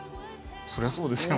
そりゃそうですよ。